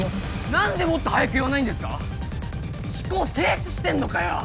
何でもっと早く言わないんですか⁉思考停止してんのかよ！